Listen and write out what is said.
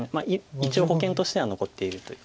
一応保険としては残っているという。